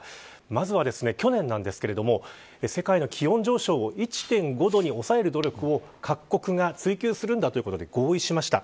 まずは去年なんですけれども世界の気温上昇を１．５度に抑える努力を各国が追求するんだということで合意しました。